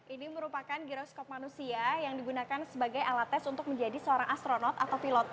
ini merupakan biroskop manusia yang digunakan sebagai alat tes untuk menjadi seorang astronot atau pilot